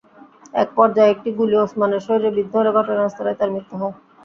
একপর্যায়ে একটি গুলি ওসমানের শরীরে বিদ্ধ হলে ঘটনাস্থলেই তাঁর মৃত্যু হয়।